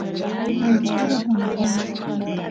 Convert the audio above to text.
ayllus pura munakunku